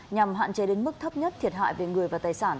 nhằm hạn chế đến mức thấp nhất thiệt hại về người và tài sản